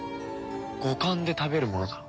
五感で食べるものだ。